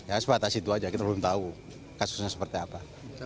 ya sebatas itu aja kita belum tahu kasusnya seperti apa